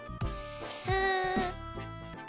スッと。